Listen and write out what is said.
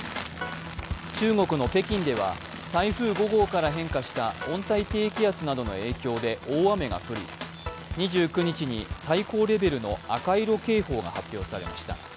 中国の北京では台風５号から変化した温帯低気圧などの影響で大雨が降り２９日に最高レベルの赤色警報が発表されました。